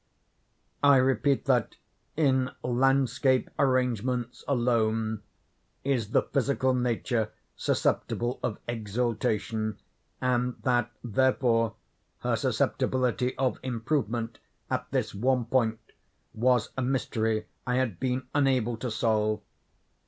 I repeat that in landscape arrangements alone is the physical nature susceptible of exaltation, and that, therefore, her susceptibility of improvement at this one point, was a mystery I had been unable to solve.